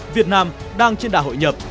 việt nam đang trên đà hội nhập